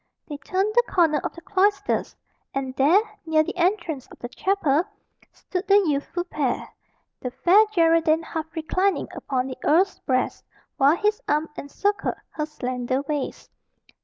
They turned the corner of the cloisters; and there, near the entrance of the chapel, stood the youthful pair the Fair Geraldine half reclining upon the earl's breast, while his arm encircled her slender waist.